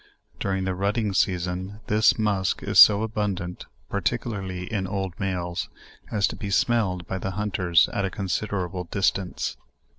During the rutting season, this musk is so abuntant (particularly in old males) as to be smelled by the hunters at a considerable distance.